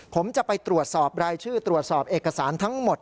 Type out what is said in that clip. ผมจะไปตรวจสอบรายชื่อตรวจสอบเอกสารทั้งหมด